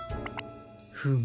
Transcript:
フム。